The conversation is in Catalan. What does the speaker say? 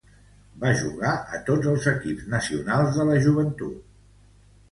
Va jugar a tots els equips nacionals de la joventut.